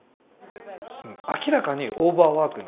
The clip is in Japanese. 明らかにオーバーワーク。